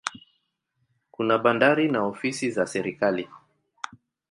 Kuna bandari na ofisi za serikali.